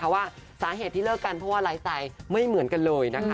ว่าสาเหตุที่เลิกกันเพราะว่าไร้สายไม่เหมือนกันเลย